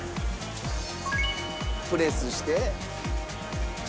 プレスして。